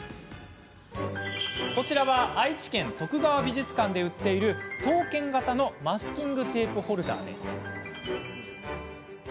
こちらは愛知県、徳川美術館で売っている刀剣形のマスキングテープホルダーです。